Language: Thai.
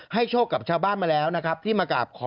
โชคกับชาวบ้านมาแล้วนะครับที่มากราบขอ